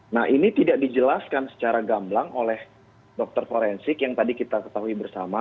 nah ini tidak dijelaskan secara gamblang oleh dokter forensik yang tadi kita ketahui bersama